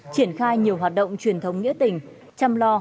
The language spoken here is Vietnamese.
triển khai nhiều hoạt động truyền thống nghĩa tình chăm lo